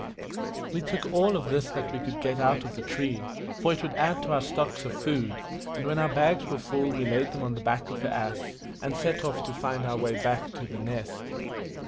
We took all of this that we could get out of the tree, for it would add to our stock of food; and when our bags were full we laid them on the back of the ass, and set off to find our way back to The Nest.